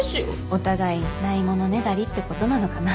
お互いにないものねだりってことなのかな。